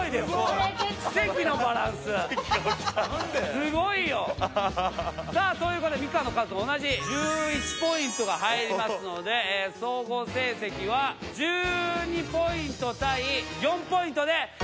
すごいよ！さあということでみかんの数と同じ１１ポイントが入りますので総合成績は１２ポイント対４ポイントで白組の勝利！